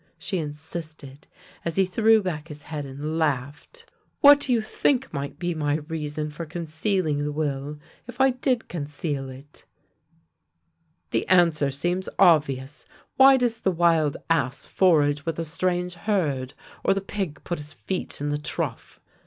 " she insisted, as he threw back his head and laughed. " What do you think 62 THE LANE THAT HAD NO TURNING might be my reason for concealing the will — if I did conceal it? "" The answer seems obvious. Why does the wild ass forage with a strange herd, or the pig put his feet in the trough?